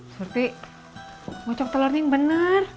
surti ngocok telur ini yang bener